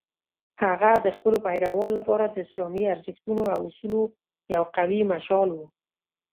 هغه د خپلو پیروانو لپاره د اسلامي ارزښتونو او اصولو یو قوي مشال شو.